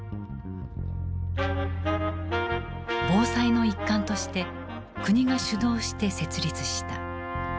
防災の一環として国が主導して設立した。